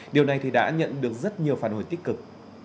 điều này đã nhận được rất nhiều phản hồi tích cực